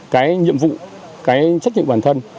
cái nhiệm vụ cái trách nhiệm bản thân